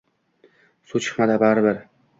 Suv chiqmadi bari bir.